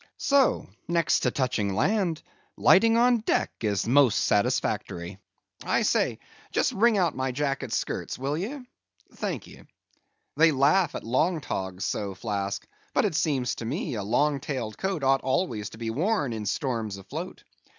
So; next to touching land, lighting on deck is the most satisfactory. I say, just wring out my jacket skirts, will ye? Thank ye. They laugh at long togs so, Flask; but seems to me, a long tailed coat ought always to be worn in all storms afloat.